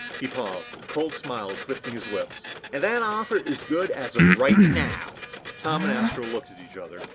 He paused, a cold smile twisting his lips. "And that offer is good as of right now!" Tom and Astro looked at each other.